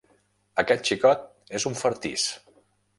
Aquest xicot és un fartís.